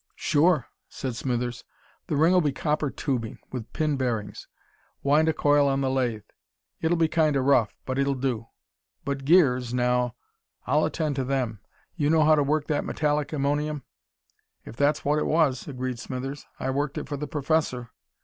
"Sure," said Smithers. "The ring'll be copper tubing, with pin bearings. Wind a coil on the lathe. It'll be kinda rough, but it'll do. But gears, now...." "I'll attend to them. You know how to work that metallic ammonium?" "If that's what it was," agreed Smithers. "I worked it for the Professor."